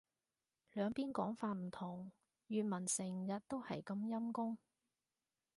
兩邊講法唔同。粵文成日都係咁陰功